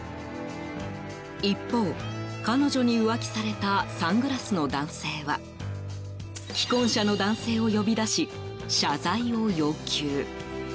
一方、彼女に浮気されたサングラスの男性は既婚者の男性を呼び出し謝罪を要求。